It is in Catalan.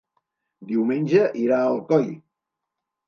Diumenge irà a Alcoi.